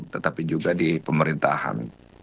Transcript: tetapi juga di pemerintahan